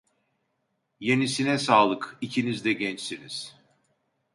Yenisine sağlık, ikiniz de gençsiniz.